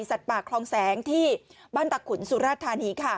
ป่าคลองแสงที่บ้านตะขุนสุราธานีค่ะ